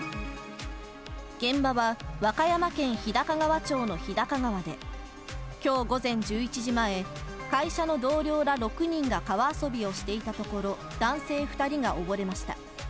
現場は和歌山県日高川町の日高川で、きょう午前１１時前、会社の同僚ら６人が川遊びをしていたところ、男性２人が溺れました。